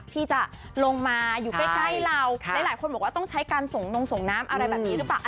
ที่จะลงมาอยู่ใกล้เราหลายคนบอกว่าต้องใช้การส่งนงส่งน้ำอะไรแบบนี้หรือเปล่า